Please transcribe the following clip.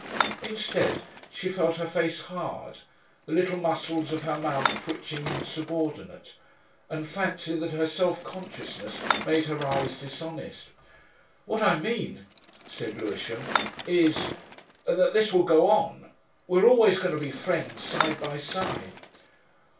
Instead, she felt her face hard, the little muscles of her mouth twitching insubordinate, and fancied that her self consciousness made her eyes dishonest. "What I mean," said Lewisham, "is that this will go on. We're always going to be friends, side by side."